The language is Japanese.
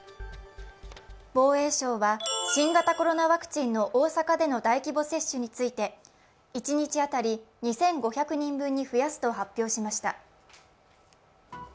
防衛省は新型コロナワクチンの大阪での大規模接種について一日当たり２５００人分に増やすと発表しました。